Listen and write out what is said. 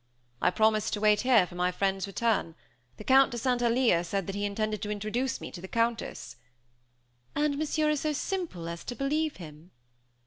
"I promised to wait here for my friend's return. The Count de St. Alyre said that he intended to introduce me to the Countess." "And Monsieur is so simple as to believe him?"